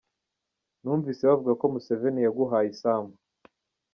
Numvise bavuga ko Museveni yaguhaye isambu?.